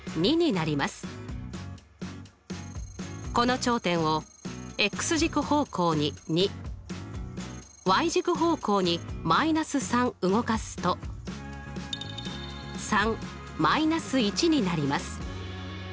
この頂点を軸方向に２軸方向に−３動かすとになります。